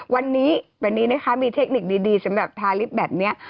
วันนี้วันนี้นะคะมีเทคนิคดีสำหรับทาลิฟต์แบบนี้